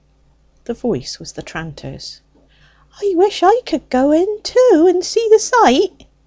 ... The voice was the tranter's. "I wish I could go in too and see the sight!"